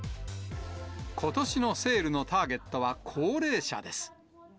ことしのセールのターゲットは高齢者です。